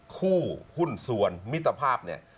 หุ้นส่วนมิตรภาพเนี่ย